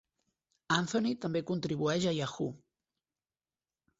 Anthony també contribueix a Yahoo!